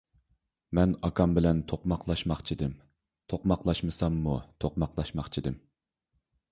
مەن ئاكام بىلەن توقماقلاشماقچىدىم. توقماقلاشمىساممۇ توقماقلاشماقچىدىم.